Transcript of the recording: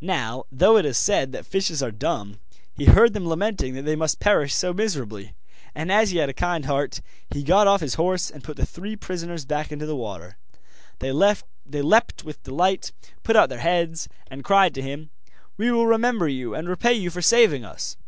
Now, though it is said that fishes are dumb, he heard them lamenting that they must perish so miserably, and, as he had a kind heart, he got off his horse and put the three prisoners back into the water. They leapt with delight, put out their heads, and cried to him: 'We will remember you and repay you for saving us!